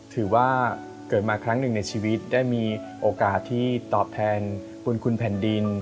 ถือว่าเกิดมาครั้งหนึ่งในชีวิตได้มีโอกาสที่ตอบแทนบุญคุณแผ่นดิน